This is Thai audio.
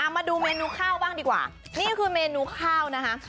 มาดูเมนูข้าวบ้างดีกว่านี่คือเมนูข้าวนะคะ